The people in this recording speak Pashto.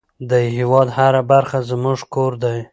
د هېواد هره برخه زموږ کور دی.